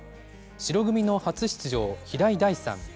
白組の初出場、平井大さん。